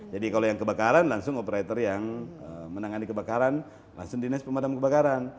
jadi kalau yang kebakaran langsung operator yang menangani kebakaran langsung dinas pemadam kebakaran